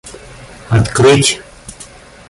открыть